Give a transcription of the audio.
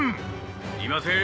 いません。